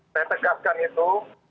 saya tegaskan itu